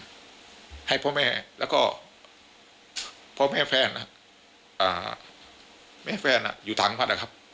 ไงพ่อแม่แล้วก็พ่อแม่แฟนล่ะอะแม่แฟนอะอยู่ถังประมาณนี้ครับ